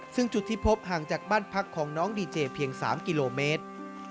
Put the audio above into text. ซึ่งจุดที่พบห่างจากบ้านพักของน้องดีเจเพียง๓กิโลเมตร